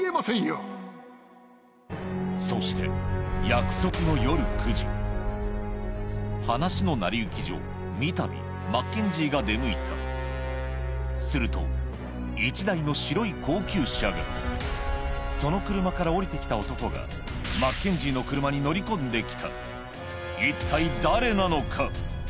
そして約束の話の成り行き上三度マッケンジーが出向いたすると１台の白い高級車がその車から降りて来た乗り込んで来た一体誰なのか？